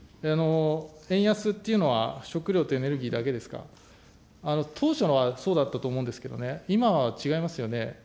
円安というのは、食料とエネルギーだけですか、当初はそうだったと思うんですけど、今は違いますよね。